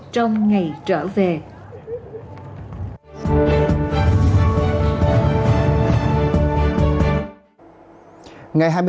trong ngày trở về